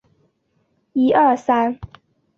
季末与山崎武司及大丰泰昭争夺全垒打王。